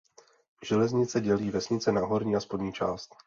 Železnice dělí vesnici na horní a spodní část.